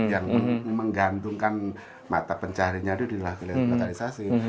yang menggantungkan mata pencahariannya itu di lokalisasi